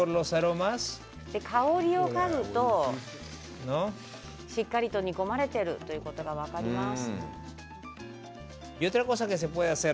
香りを嗅ぐとしっかり煮込まれているということが分かります。